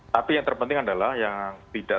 tapi yang terpenting adalah yang tidak